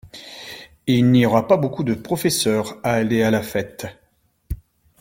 Il n’y aura pas beaucoup de professeurs à aller à la fête.